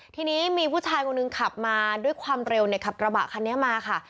ทีนี้มีผู้ชายคนหนึ่งขับมาด้วยความเร็วเนี่ยขับกระบะคันนี้มาค่ะ